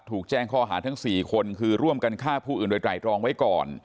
ถูกแจ้งข้อหาทั้ง๔คนคือร่วมกันฆ่าผู้อื่นโดยไตรรองไว้ก่อน